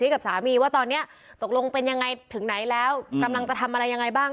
กับสามีว่าตอนนี้ตกลงเป็นยังไงถึงไหนแล้วกำลังจะทำอะไรยังไงบ้าง